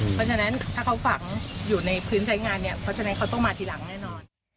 เพราะฉะนั้นถ้าเขาฝังอยู่ในพื้นใช้งานเนี่ยเพราะฉะนั้นเขาต้องมาทีหลังแน่นอน